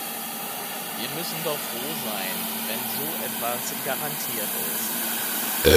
Wir müssen doch froh sein, wenn so etwas garantiert ist.